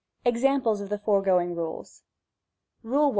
EXAMPLES OP THE FOEEGOINa EULES. RULE I.